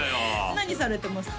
何されてますか？